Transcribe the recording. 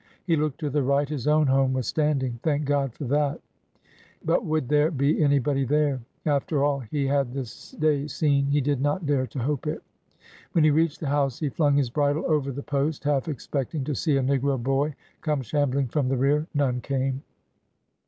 He looked to the right. His own home was standing. Thank God for that ! But would there be anybody there ? After all he had this day seen, he did not dare to hope it. When he reached the house he flung his bridle over the post, half expecting to see a negro boy come shambling from the rear. None came.